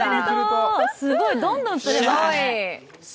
すごい、どんどん釣れますね。